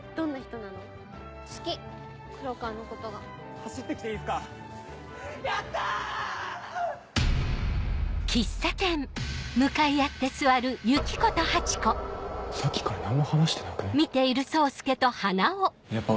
さっきから何も話してなくね？